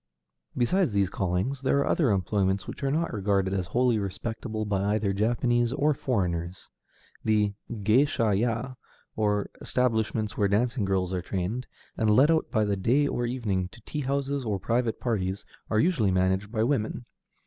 Beside these callings, there are other employments which are not regarded as wholly respectable by either Japanese or foreigners. The géisha ya, or establishments where dancing girls are trained, and let out by the day or evening to tea houses or private parties, are usually managed by women.